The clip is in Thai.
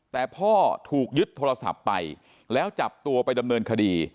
แต่พ่อถูกยึดโทรศัพท์ไปแล้วจับตัวไปดำเนินคดี